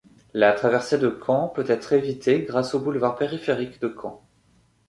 La traversée de Caen peut être évitée grâce au boulevard périphérique de Caen.